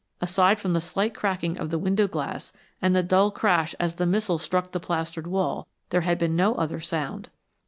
Aside from the slight cracking of the window glass, and the dull crash as the missile struck the plastered wall, there had been no other sound.